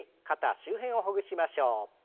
肩周辺をほぐしましょう。